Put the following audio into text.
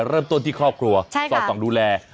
เริ่มต้นที่ครอบครัวสอดส่องดูแล